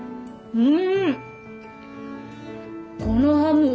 うん。